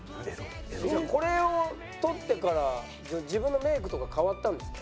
これを撮ってから自分のメイクとか変わったんですか？